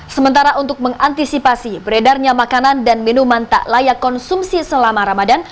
sementara untuk mengantisipasi beredarnya makanan dan minuman tak layak konsumsi selama ramadan